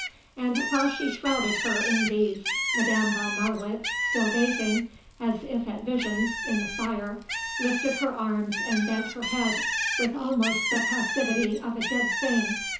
And while she shrouded her in these, Madame von Marwitz, still gazing, as if at visions, in the fire, lifted her arms and bent her head with almost the passivity of a dead thing.